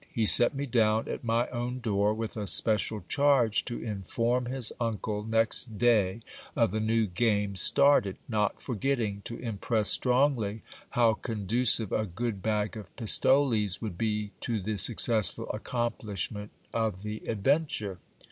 He set me down at my own door, with a special charge to inform his uncle next day of the new game started, not forgetting to impress strongly how conducive a good bag of pistoles would be to the success ful accomplishment of the adventure.